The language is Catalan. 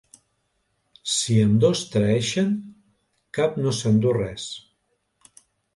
Si ambdós traeixen, cap no s'endú res.